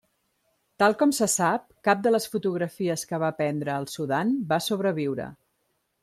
Tal com se sap, cap de les fotografies que va prendre al Sudan va sobreviure.